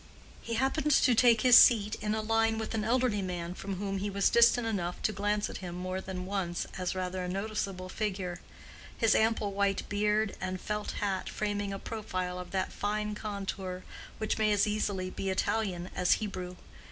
He happened to take his seat in a line with an elderly man from whom he was distant enough to glance at him more than once as rather a noticeable figure—his ample white beard and felt hat framing a profile of that fine contour which may as easily be Italian as Hebrew.